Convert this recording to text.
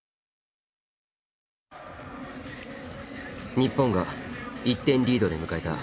日本が１点リードで迎えた